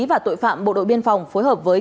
và tội phạm bộ đội biên phòng phối hợp với